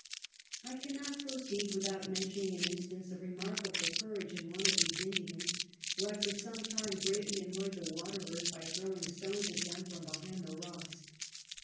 I cannot proceed without mentioning an instance of re markable courage in one of these Indians, who had for some time greatly annoyed the wateiers by tiirowing stones at them Avin behind the rocks.